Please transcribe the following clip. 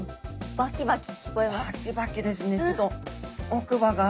バキバキですね。